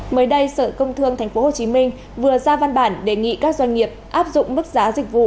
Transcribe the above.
mới đây sở công thương tp hcm vừa ra văn bản đề nghị các doanh nghiệp áp dụng mức giá dịch vụ